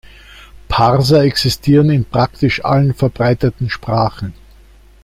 Parser existieren in praktisch allen verbreiteten Sprachen.